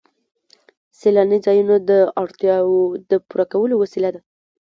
سیلاني ځایونه د اړتیاوو د پوره کولو وسیله ده.